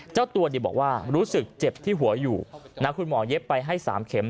เจ้าตัวบอกว่ารู้สึกเจ็บที่หัวอยู่นะคุณหมอเย็บไปให้๓เข็ม